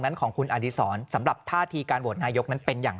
นั้นของคุณอดีศรสำหรับท่าทีการโหวตนายกนั้นเป็นอย่าง